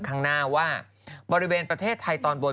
ข้างหน้าว่าบริเวณประเทศไทยตอนบน